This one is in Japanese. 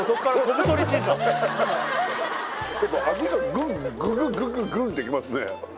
グングググググンってきますね